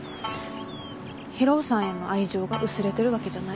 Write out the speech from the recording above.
博夫さんへの愛情が薄れてるわけじゃない。